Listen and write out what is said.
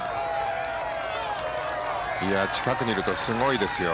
近くにいるとすごいですよ。